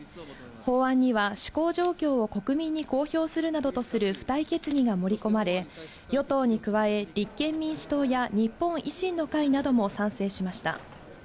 法案には、施行状況を国民に公表するなどとする付帯決議が盛り込まれ、与党に加え、立憲民主党や日本維新の会なども賛成しました。